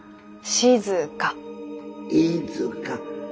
静！